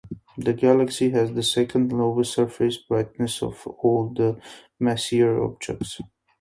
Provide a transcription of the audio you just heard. This galaxy has the second lowest surface brightness of all the Messier objects.